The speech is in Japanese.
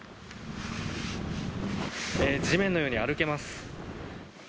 地面のように歩けます。